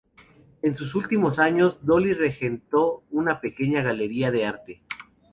En sus últimos años, Dolly regentó una pequeña galería de arte.